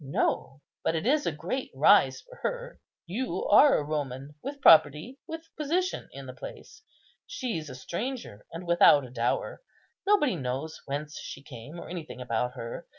No, but it is a great rise for her; you are a Roman, with property, with position in the place; she's a stranger, and without a dower: nobody knows whence she came, or anything about her.